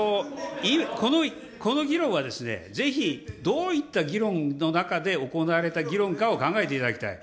この議論はですね、ぜひどういった議論の中で行われた議論かを考えていただきたい。